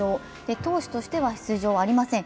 投手としては出場はありません。